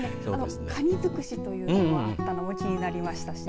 かにづくしというのもあったのが気になりましたしね。